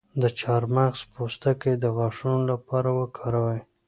د چارمغز پوستکی د غاښونو لپاره وکاروئ